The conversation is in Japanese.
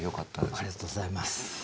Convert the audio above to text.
ありがとうございます。